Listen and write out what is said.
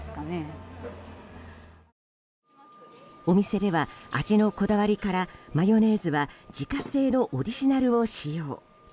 お店では味のこだわりからマヨネーズは自家製のオリジナルを使用。